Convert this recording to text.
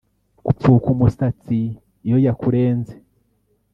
Gupfuka umusatsi iyo yakurenze